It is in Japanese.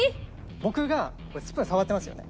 僕がスプーン触ってますよね。